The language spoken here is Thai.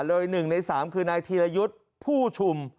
๑ใน๓คือนายธีรยุทธ์ผู้ชุม